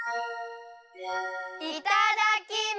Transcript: いただきます！